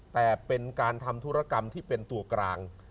แต่เป็นการทำธุรกรรมที่เป็นตัวกลาง